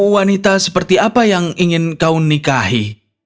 wanita seperti apa yang ingin kau nikahi